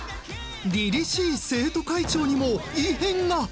りりしい生徒会長にも異変が。